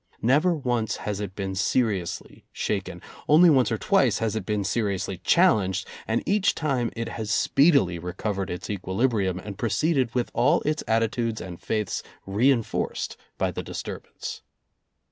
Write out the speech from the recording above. Never once has it been seriously shaken. Only once or twice has it been seriously challenged, and each time it has speedily recovered its equilibrium and proceeded with all its attitudes and faiths reenforced by the disturbance.